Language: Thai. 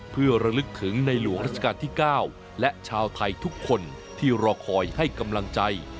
เพื่อระลึกถึงในหลวงราชการที่๙และชาวไทยทุกคนที่รอคอยให้กำลังใจ